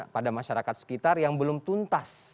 pada masyarakat sekitar yang belum tuntas